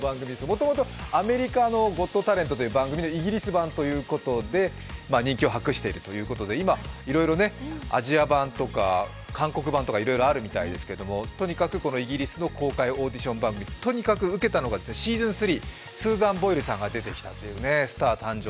もともとアメリカの「ゴット・タレント」という番組のイギリス版ということで人気を博しているということで今、いろいろアジア版とか韓国版とかいろいろあるみたいですけどとにかく、このイギリスの公開オーディション番組とにかく受けたのがシーズン３、スーザン・ボイルさんが出てきた「スター誕生！」